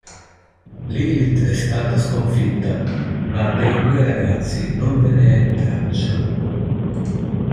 Lilith è stata sconfitta, ma dei due ragazzi non ve ne è traccia.